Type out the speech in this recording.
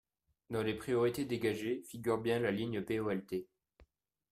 Dans les priorités dégagées figure bien la ligne POLT.